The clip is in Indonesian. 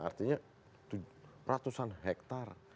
artinya ratusan hektare